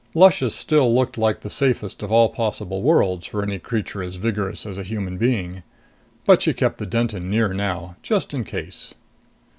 Luscious still looked like the safest of all possible worlds for any creature as vigorous as a human being. But she kept the Denton near now, just in case.